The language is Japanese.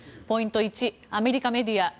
ポイント１、アメリカメディア